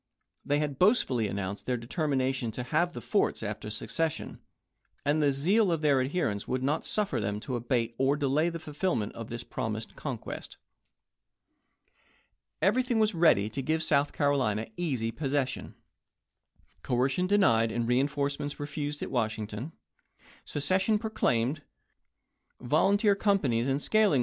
They had boastfully announced their determination to have the forts after secession, and the zeal of their adherents would not suffer them to abate or delay the fulfillment of this promised conquest. Everything was ready to give South Carolina easy possession; coercion denied and reinforcements refused at Washington, secession proclaimed, vol THE SUEEENDEE PEOGEAMME 39 uuteer companies and scaling ladders ready in chap.